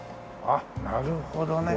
あっなるほどね。